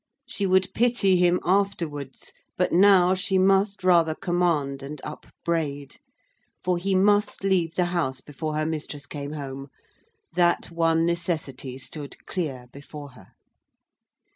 She would pity him afterwards; but now she must rather command and upbraid; for he must leave the house before her mistress came home. That one necessity stood clear before her.